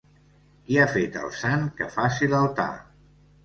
Qui ha fet el sant, que faci l'altar.